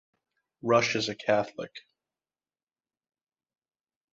Rush is a Catholic.